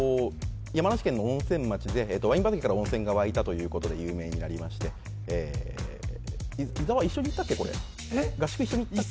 山梨県の温泉町でワイン畑から温泉が湧いたということで有名になりまして合宿一緒に行ったっけ？